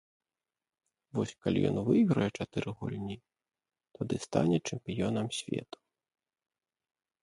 Вось калі ён выйграе чатыры гульні, тады стане чэмпіёнам свету.